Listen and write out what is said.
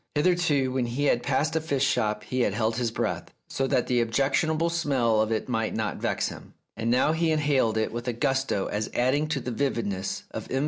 Hitherto, when he had passed a fish shop he had held his breath, so that the objectionable smell of it might not vex him ; now, he inhaled it with a gusto as adding to the vividness of M.